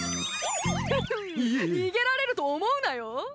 フフン逃げられると思うなよ！